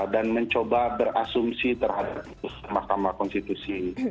dan mencoba berasumsi terhadap putus mahkamah konstitusi